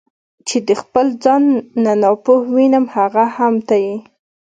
چې د خپل ځان نه ناپوه وینم هغه هم ته یې.